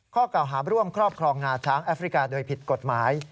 ข้อเก่าหาร่วมครอบครองงาช้างแอฟริกาโดยผิดกฎหมาย